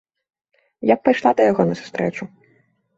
Я б пайшла да яго на сустрэчу.